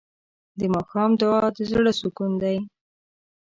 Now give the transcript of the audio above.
د ماښام دعا د زړه سکون دی.